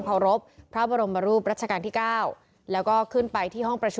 ปิดประตูรถให้ด้วยนะคะ